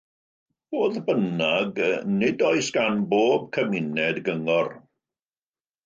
Fodd bynnag, nid oes gan bob cymuned gyngor.